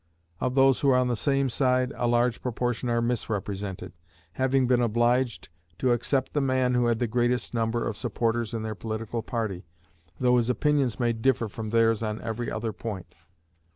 Of those who are on the same side, a large proportion are misrepresented; having been obliged to accept the man who had the greatest number of supporters in their political party, though his opinions may differ from theirs on every other point.